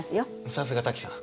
さすがタキさん。